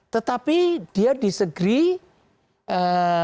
tetapi dia disagree